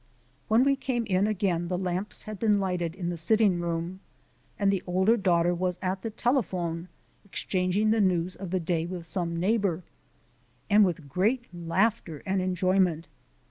When we came in again the lamps had been lighted in the sitting room and the older daughter was at the telephone exchanging the news of the day with some neighbour and with great laughter and enjoyment.